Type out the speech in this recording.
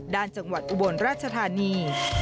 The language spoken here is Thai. จังหวัดอุบลราชธานี